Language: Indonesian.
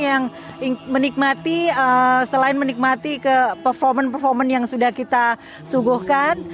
yang menikmati selain menikmati ke performance performance yang sudah kita suguhkan